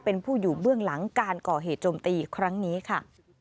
เป็นผู้อยู่เบื้องหลังการก่อเหตุโจมตีครั้งนี้ค่ะ